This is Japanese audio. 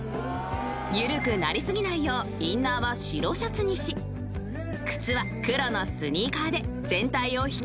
［緩くなり過ぎないようインナーは白シャツにし靴は黒のスニーカーで全体を引き締めるスタイル］